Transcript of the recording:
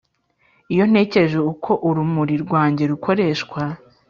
iyo ntekereje uko urumuri rwanjye rukoreshwa